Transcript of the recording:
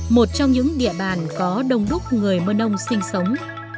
một trong những địa bàn có đông đúc người mưa nông sinh sống